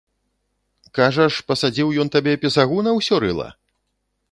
Кажаш, пасадзіў ён табе пісагу на ўсё рыла?!